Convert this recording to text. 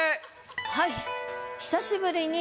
はい。